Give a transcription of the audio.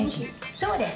そうです！